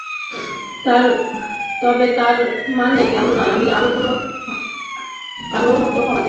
তবে তার মানে এমন নয়, আমি কারও মতো হওয়ার চেষ্টা করছি।